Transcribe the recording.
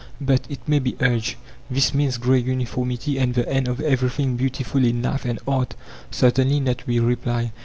"But," it may be urged, "this means grey uniformity and the end of everything beautiful in life and art." "Certainly not," we reply.